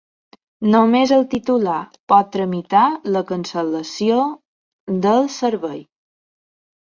Només el titular pot tramitar la cancel·lació del servei.